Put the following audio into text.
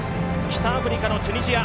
北アフリカのチュニジア